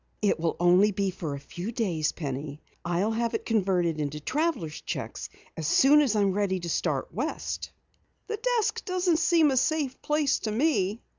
"It will only be for a few days, Penny. I'll have it converted into traveler's cheques as soon as I am ready to start west." "The desk doesn't seem a safe place to me."